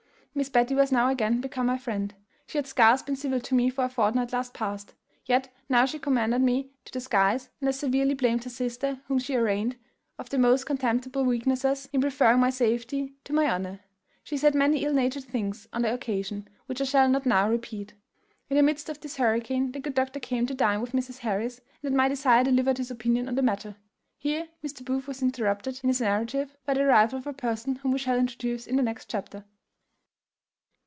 "Miss Betty was now again become my friend. She had scarce been civil to me for a fortnight last past, yet now she commended me to the skies, and as severely blamed her sister, whom she arraigned of the most contemptible weakness in preferring my safety to my honour: she said many ill natured things on the occasion, which I shall not now repeat. "In the midst of this hurricane the good doctor came to dine with Mrs. Harris, and at my desire delivered his opinion on the matter." Here Mr. Booth was interrupted in his narrative by the arrival of a person whom we shall introduce in the next chapter.